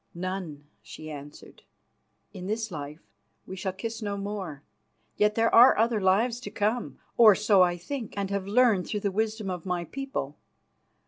"None," she answered. "In this life we shall kiss no more. Yet there are other lives to come, or so I think and have learned through the wisdom of my people.